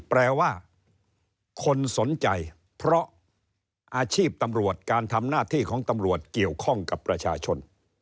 แปลว่าคนสนใจเพราะอาชีพตำรวจการทำหน้าที่ของตำรวจเกี่ยวข้องกับประชาชน